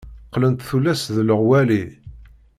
Qqlent tullas d leɣwali.